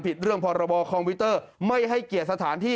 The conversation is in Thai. ผิดเรื่องพรบคอมพิวเตอร์ไม่ให้เกียรติสถานที่